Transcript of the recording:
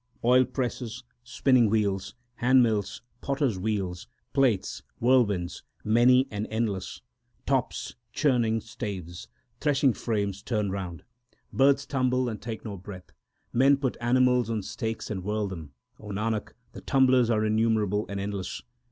Oil presses, spinning wheels, hand mills, potters wheels, Plates, whirlwinds, many and endless, Tops, churning staves, threshing frames turn round ; Birds tumble and take no breath. Men put animals on stakes and whirl them. Nanak, the tumblers are innumerable and endless.